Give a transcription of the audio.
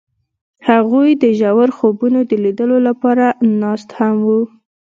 هغوی د ژور خوبونو د لیدلو لپاره ناست هم وو.